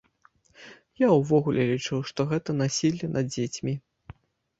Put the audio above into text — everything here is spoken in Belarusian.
Я ўвогуле лічу, што гэта насілле над дзецьмі.